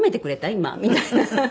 今みたいな。